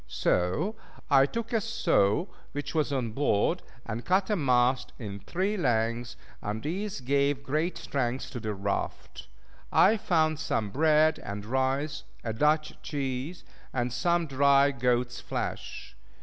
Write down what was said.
So I took a saw which was on board, and cut a mast in three lengths, and these gave great strength to the raft. I found some bread and rice, a Dutch cheese, and some dry goat's flesh.